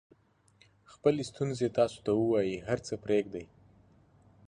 خپلې ستونزې تاسو ته ووایي هر څه پرېږدئ.